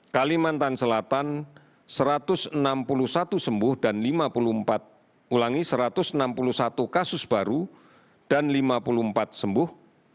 kalimantan selatan satu ratus enam puluh satu sembuh dan lima puluh empat sembuh